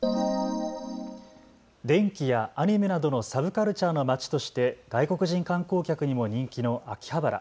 電気やアニメなどのサブカルチャーの街として外国人観光客にも人気の秋葉原。